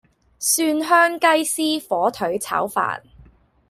蒜香雞絲火腿炒飯